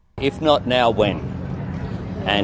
kalau tidak sekarang kapan